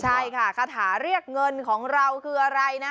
ใช่ค่ะคาถาเรียกเงินของเราคืออะไรนะ